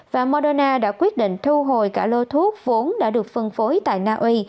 và moderna đã quyết định thu hồi cả lô thuốc vốn đã được phân phối tại na uy